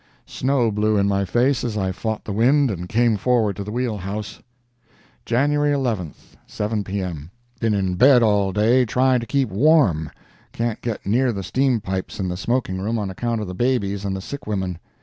Snow blew in my face as I fought the wind, and came forward to the wheelhouse. "JANUARY 11th—7 P.M.—Been in bed all day, trying to keep warm; can't get near the steam pipes in the smoking room on account of the babies and the sick women.